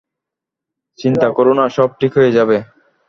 চিন্তা করো না, সব ঠিক হয়ে যাবে।